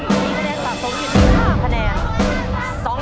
มีคะแนนสะสมอยู่ที่๕คะแนน